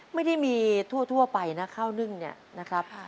ไม่ได้มีทั่วไปนะข้าวนึ่งเนี่ยนะครับ